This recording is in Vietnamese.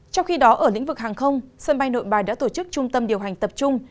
trong khi đó ở lĩnh vực hàng không sân bay nội bài đã tổ chức trung tâm điều hành tập trung